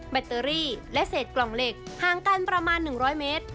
แบตเตอรี่และเศษกล่องเหล็กห่างกันประมาณ๑๐๐เมตร